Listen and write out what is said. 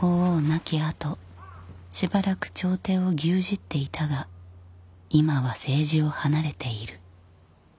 亡きあとしばらく朝廷を牛耳っていたが今は政治を離れている。